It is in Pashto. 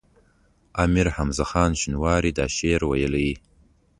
امیر حمزه خان شینواری دا شعر ویلی.